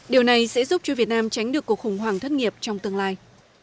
điều này sẽ giúp cho việt nam tránh được cuộc khủng hoảng thất nghiệp trong tương lai